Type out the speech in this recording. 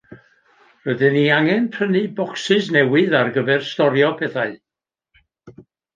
Rydyn ni angen prynu bocsys newydd ar gyfer storio pethau.